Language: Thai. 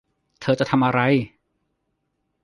เธอจะทำอะไร